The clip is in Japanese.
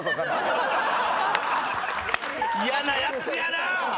嫌なやつやなぁ！